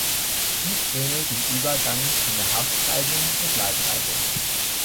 Dies ähnelt dem Übergang von der Haftreibung zur Gleitreibung.